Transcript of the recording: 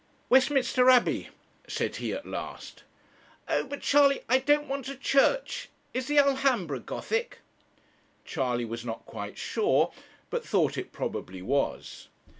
'Westminster Abbey,' said he at last. 'Oh but Charley, I don't want a church. Is the Alhambra Gothic?' Charley was not quite sure, but thought it probably was.